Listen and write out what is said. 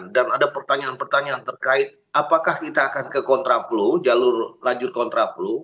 dan ada pertanyaan pertanyaan terkait apakah kita akan ke kontraflow jalur lanjut kontraflow